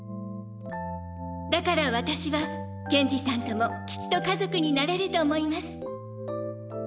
だから私は賢二さんともきっと家族になれると思います。